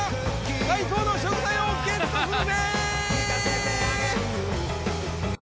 最高の食材をゲットするぜ！